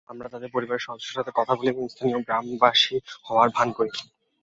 আমরা তাদের পরিবারের সদস্যদের সাথে কথা বলি এবং স্থানীয় গ্রামবাসী হওয়ার ভান করি।